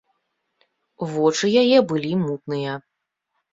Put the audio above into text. Вочы яе былі мутныя.